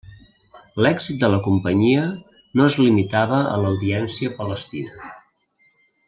L'èxit de la companyia no es limitava a l'audiència palestina.